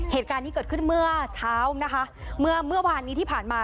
เหตุการณ์นี้เกิดขึ้นเมื่อเช้านะคะเมื่อเมื่อวานนี้ที่ผ่านมา